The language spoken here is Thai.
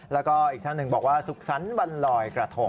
แล้วก็อีกท่านหนึ่งบอกว่าสุขสรรค์วันลอยกระทง